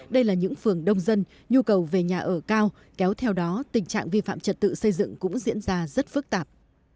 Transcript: đây là những phường đông dân nhu cầu về nhà ở cao kéo theo đó tình trạng vi phạm trật tự xây dựng cũng diễn ra rất phức tạp